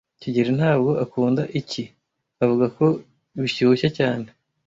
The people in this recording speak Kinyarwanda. kigeli ntabwo akunda icyi. Avuga ko bishyushye cyane.